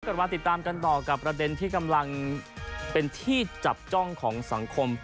กลับมาติดตามกันต่อกับประเด็นที่กำลังเป็นที่จับจ้องของสังคม